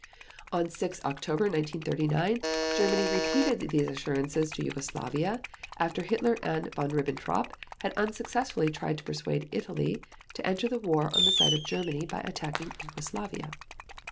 On 6 October 1939 Germany repeated these assurances to Yugoslavia, after Hitler and Von Ribbentrop had unsuccessfully tried to persuade Italy to enter the war on the side of Germany by attacking Yugoslavia.